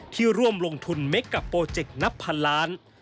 ร่วมลงทุนเม็กกับโปรเจคนับพันล้าน